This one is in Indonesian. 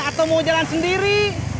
atau mau jalan sendiri